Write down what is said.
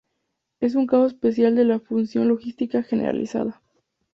Es un caso especial de la función logística generalizada.